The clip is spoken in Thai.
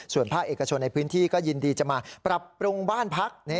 ส่วนภาคเอกชนในพื้นที่ก็ยินดีจะมาปรับปรุงบ้านพัก